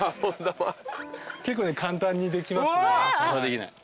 結構簡単にできます。